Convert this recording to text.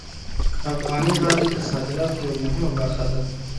افغاني غالۍ د صادراتو یوه مهمه برخه ده.